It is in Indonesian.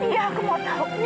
iya aku mau tahu